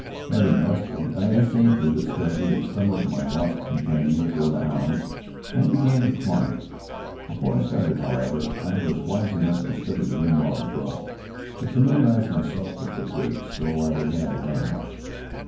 Having rested, I essayed the discovery of some of my lost companions or the hounds, and began to climb. Before I started, however, I was wise enough to study the rim wall above, to familiarize myself with the break so I would have a landmark.